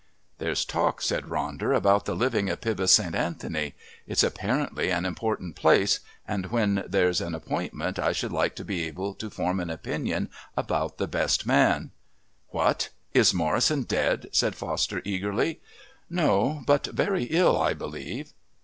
"There's talk," said Ronder, "about the living at Pybus St. Anthony. It's apparently an important place, and when there's an appointment I should like to be able to form an opinion about the best man " "What! is Morrison dead?" said Foster eagerly. "No, but very ill, I believe."